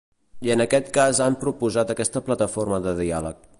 I en aquest cas han proposat aquesta plataforma de diàleg.